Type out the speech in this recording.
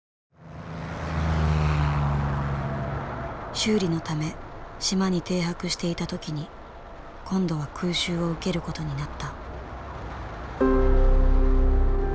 修理のため島に停泊していた時に今度は空襲を受けることになった。